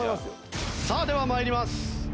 さあでは参ります。